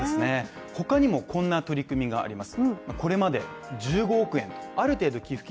他にもこんな取り組みがあります